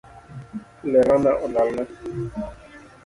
Lerana olalna.